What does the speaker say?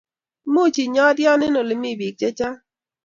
Much inyorwo eng ole mi biik chechang?